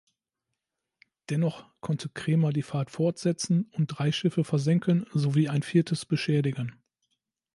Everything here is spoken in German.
Dennoch konnte Cremer die Fahrt fortsetzen und drei Schiffe versenken sowie ein viertes beschädigen.